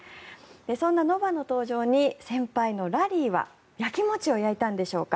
そんなノヴァの登場に先輩のラリーはやきもちをやいたんでしょうか。